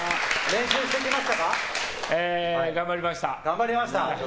頑張りました。